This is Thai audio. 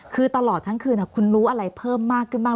คือตลอดทั้งคืนคุณรู้อะไรเพิ่มมากขึ้นบ้าง